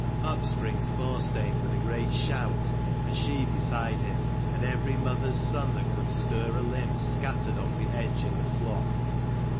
Up springs Thorstein with a great shout, and she beside him ; and every mother's son that could stir a limb scattered off the edge in a flock.